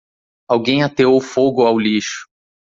Alguém ateou fogo ao lixo.